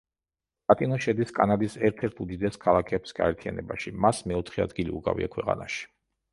გატინო შედის კანადის ერთ-ერთ უდიდეს ქალაქების გაერთიანებაში, მას მეოთხე ადგილი უკავია ქვეყანაში.